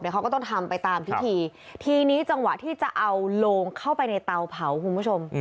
หันไม่เข้าครับ